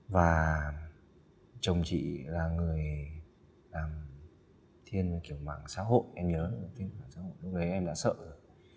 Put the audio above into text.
và chồng chị là người làm thiên kiểu mạng xã hội em nhớ rồi thiên kiểu mạng xã hội lúc đấy em đã sợ rồi